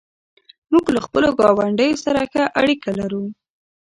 موږ له خپلو ګاونډیانو سره ښه اړیکه لرو.